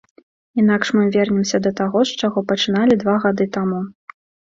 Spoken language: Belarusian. Інакш мы вернемся да таго, з чаго пачыналі два гады таму.